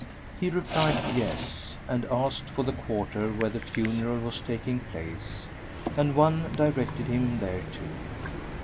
"[FN#83] He replied "Yes," and asked for the quarter where the funeral was taking place, and one directed him thereto.